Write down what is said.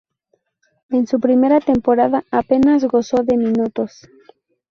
En su primera temporada apenas gozó de minutos.